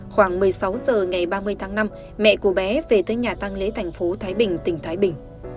khoảng một mươi sáu h ngày ba mươi tháng năm mẹ của bé về tới nhà tăng lễ thành phố thái bình tỉnh thái bình